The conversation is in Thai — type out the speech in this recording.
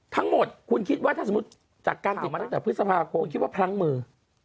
ทั้งหมดคุณคิดว่าถ้าสมมุติจากการติดมาตั้งแต่พฤษภาคมคุณคิดว่าพลั้งมือ